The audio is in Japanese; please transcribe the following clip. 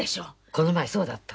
この前そうだった。